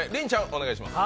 お願いします。